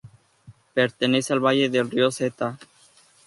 Pertenece al valle del río Seta.